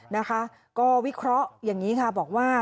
นะคะก็วิเคราะห์อย่างนี้ค่ะบอกว่า